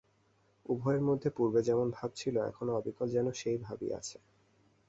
উভয়ের মধ্যে পূর্বে যেমন ভাব ছিল, এখনও অবিকল যেন সেই ভাবই আছে।